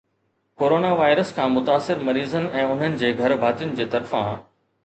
corona virus کان متاثر مريضن ۽ انهن جي گهرڀاتين جي طرفان